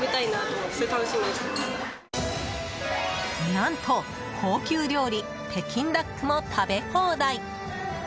何と高級料理、北京ダックも食べ放題！